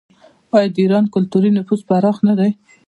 آیا د ایران کلتوري نفوذ پراخ نه دی؟